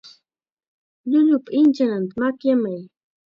Llullupa inchananta makyamay.